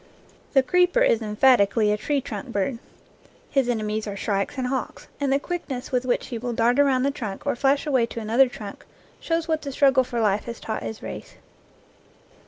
The creeper is emphatically a tree trunk bird. His ene mies are shrikes and hawks, and the quickness with which he will dart around the trunk or flash away to another trunk shows what the struggle for life has taught his race.